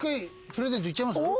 プレゼントいっちゃいます？